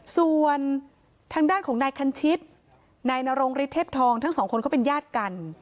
ส่วนทางด้านของนายคันชิตนายนรงฤทธเทพทองทั้งสองคนเขาเป็นญาติกัน